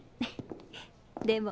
でも。